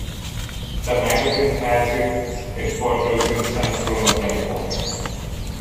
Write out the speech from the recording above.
The magazine has its headquarters in San Bruno, California.